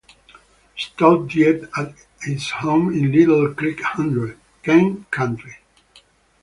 Stout died at his home in Little Creek Hundred, Kent County.